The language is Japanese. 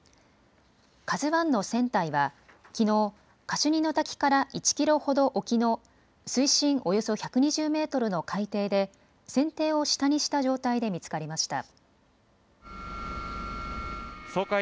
ＫＡＺＵＩの船体はきのうカシュニの滝から１キロほど沖の水深およそ１２０メートルの海底で船体を下にした状態で見つかりました。